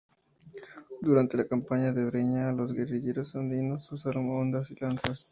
Durante la Campaña de la Breña los guerrilleros andinos usaron hondas y lanzas.